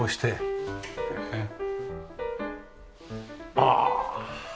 ああ。